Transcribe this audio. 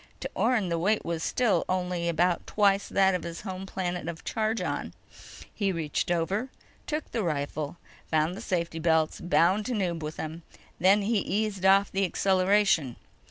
To Orne, the weight was still only about twice that of his home planet of Chargon. He reached over, took the rifle, found safety belts, bound Tanub with them. Then he eased off the acceleration.